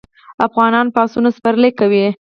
افغانان په اسونو سپرلي کوي.